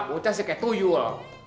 bocah sih kayak tuyul